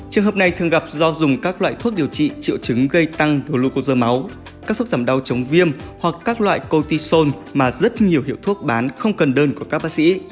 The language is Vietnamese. trường hợp này thường gặp do dùng các loại thuốc điều trị triệu chứng gây tăng hollcos máu các thuốc giảm đau chống viêm hoặc các loại cotisol mà rất nhiều hiệu thuốc bán không cần đơn của các bác sĩ